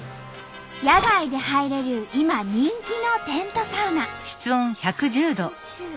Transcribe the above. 野外で入れる今人気のテントサウナ。